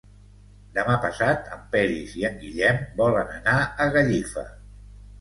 Demà passat en Peris i en Guillem volen anar a Gallifa.